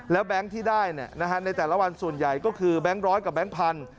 แล้วแบงค์ที่ได้ในแต่ละวันส่วนใหญ่ก็คือแบงค์ร้อยกับแบงค์พันธ